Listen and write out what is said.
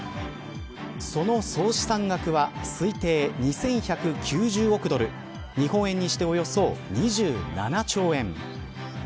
その総資産額は推定２１９０億ドル日本円にしておよそ２７兆円。